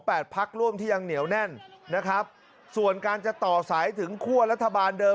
พักร่วมที่ยังเหนียวแน่นนะครับส่วนการจะต่อสายถึงคั่วรัฐบาลเดิม